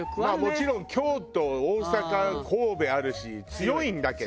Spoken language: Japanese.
もちろん京都大阪神戸あるし強いんだけど。